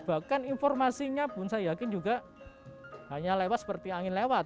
bahkan informasinya pun saya yakin juga hanya lewat seperti angin lewat